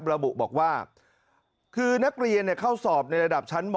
ระบุบอกว่าคือนักเรียนเข้าสอบในระดับชั้นม๔